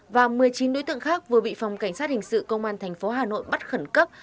và một mươi chín đối tượng khác vừa bị phòng cảnh sát hình sự công an tp hà nội bắt khẩn cấp